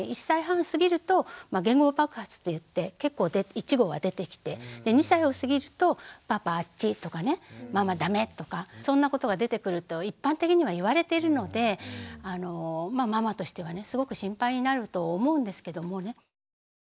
１歳半過ぎると言語爆発っていって結構一語は出てきて２歳を過ぎると「パパあっち」とかね「ママだめ」とかそんなことが出てくると一般的には言われているのでまあママとしてはねすごく心配になると思うんですけどもね。